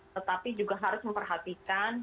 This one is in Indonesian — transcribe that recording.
tetapi juga harus memperhatikan